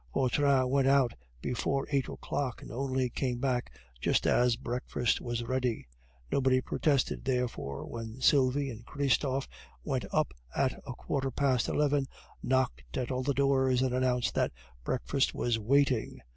Vautrin went out before eight o'clock, and only came back just as breakfast was ready. Nobody protested, therefore, when Sylvie and Christophe went up at a quarter past eleven, knocked at all the doors, and announced that breakfast was waiting.